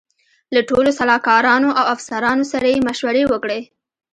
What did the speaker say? له ټولو سلاکارانو او افسرانو سره یې مشورې وکړې.